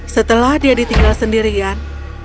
setelah dia ditinggal sendirian